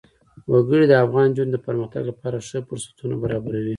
وګړي د افغان نجونو د پرمختګ لپاره ښه فرصتونه برابروي.